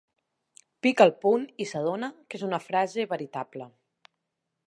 Pica el punt i s'adona que és una frase veritable.